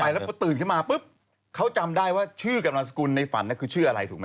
ตื่นเขาหลับไปแล้วตื่นขึ้นมาปุ๊บเขาจำได้ว่าชื่อกับนางสกุลในฝันน่ะคือชื่ออะไรถูกไหม